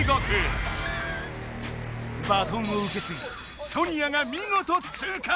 バトンをうけつぎソニアがみごと通過！